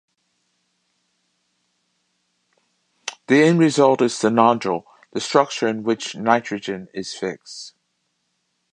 The end result is the nodule, the structure in which nitrogen is fixed.